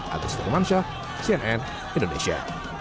agus firmansyah cnn indonesia